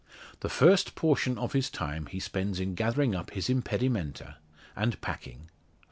The first portion of his time he spends in gathering up his impedimenta, and packing.